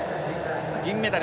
銀メダル。